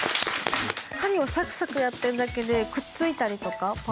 針をサクサクやってるだけでくっついたりとかパーツも。